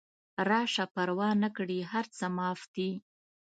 راشه پروا نکړي هر څه معاف دي